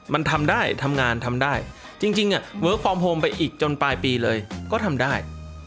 มันทำได้ทำงานทำได้จริงเวิร์คฟอร์มโฮมไปอีกจนปลายปีเลยก็ทำได้